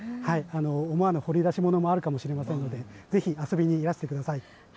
思わぬ掘り出し物もあるかもしれませんのでぜひ遊びにいらしてください。